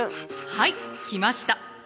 はいきました！